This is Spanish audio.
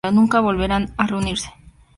Nunca volverían a reunirse.